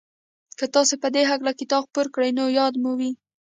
که تاسې په دې هکله کتاب خپور کړ نو ياد مو وي.